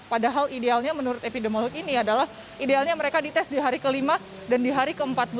padahal idealnya menurut epidemiolog ini adalah idealnya mereka dites di hari kelima dan di hari ke empat belas